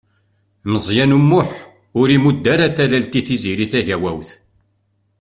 Meẓyan U Muḥ ur imudd ara tallelt i Tiziri Tagawawt.